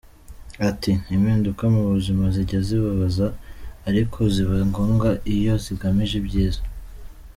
Ati “Impinduka mu buzima zijya zibabaza, ariko ziba ngombwa iyo zigamije ibyiza.